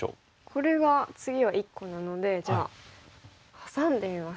これが次は１個なのでじゃあハサんでみます。